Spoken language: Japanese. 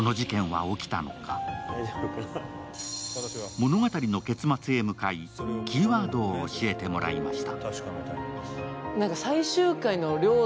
物語の結末へ向かいキーワードを教えてもらいました。